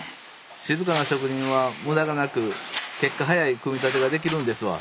静かな職人は無駄がなく結果速い組み立てができるんですわ。